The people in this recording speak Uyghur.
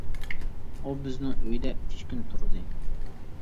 ئۇ بىزنىڭ ئۆيدە ئۈچ كۈن تۇردى.